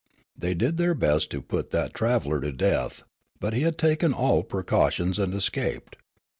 They did their best to put that traveller to death ; but he had taken all precautions and escaped.